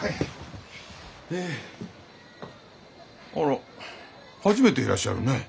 あら初めていらっしゃるね。